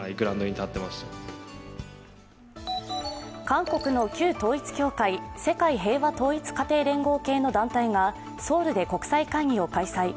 韓国の旧統一教会＝世界平和統一家庭連合系の団体がソウルで国際会議を開催。